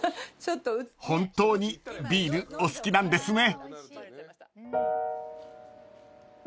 ［本当にビールお好きなんですね］